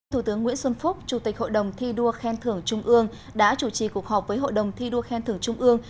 thủ tướng nguyễn xuân phúc chủ tịch hội đồng thi đua khen thưởng trung ương đã chủ trì cuộc họp với hội đồng thi đua khen thưởng trung ương